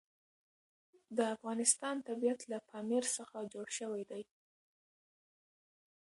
د افغانستان طبیعت له پامیر څخه جوړ شوی دی.